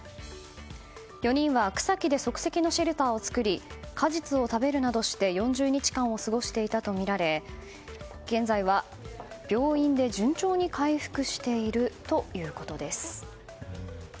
４人は草木で即席のシェルターを作り果実を食べるなどして４０日間を過ごしていたとみられ現在は病院で順調に回復しているということです。